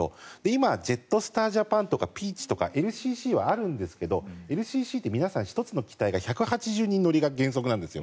今ジェットスター・ジャパンとかＰｅａｃｈとかＬＣＣはあるんですがＬＣＣって１つの機体が１８０人乗りが原則なんです。